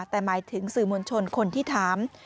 แต่หมายถึงสื่อมวลชนคนที่ถาม